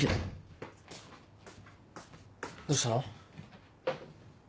どうしたの？